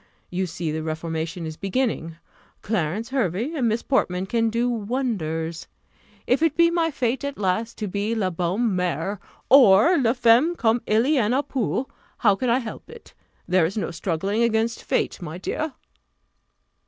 You see the reformation is beginning Clarence Hervey and Miss Portman can do wonders. If it be my fate, at last, to be la bonne mère, or la femme comme il y en a peu, how can I help it? There is no struggling against fate, my dear!"